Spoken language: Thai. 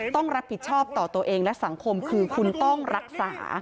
ต้องรับผิดชอบต่อตัวเองและสังคมคือคุณต้องรักษา